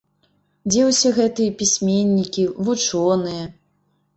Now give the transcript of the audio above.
Дзе ўсе гэтыя пісьменнікі, вучоныя?